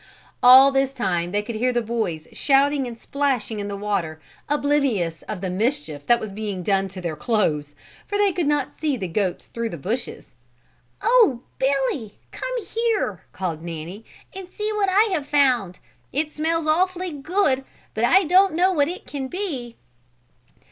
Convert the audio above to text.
All this time they could hear the boys shouting and splashing in the water, oblivious of the mischief that was being done to their clothes, for they could not see the goats through the bushes. "Oh, Billy, come here!" called Nanny, "and see what I have found. It smells awfully good but I don't know what it can be."